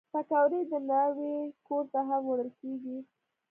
پکورې د ناوې کور ته هم وړل کېږي